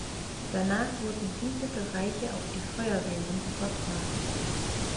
Danach wurden diese Bereiche auf die Feuerwehren übertragen.